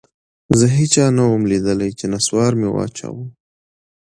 زه هېچا نه وم ليدلى چې نسوار مې واچاوه.